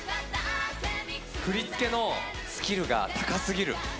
振り付けのスキルが高すぎる。